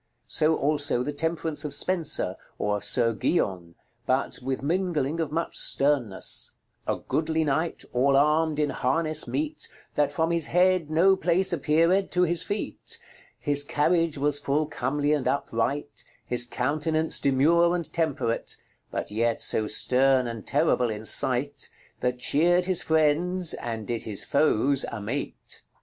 So also the Temperance of Spenser, or Sir Guyon, but with mingling of much sternness: "A goodly knight, all armd in harnesse meete, That from his head no place appeared to his feete, His carriage was full comely and upright; His countenance demure and temperate; But yett so sterne and terrible in sight, That cheard his friendes, and did his foes amate."